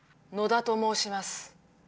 野田ともうします。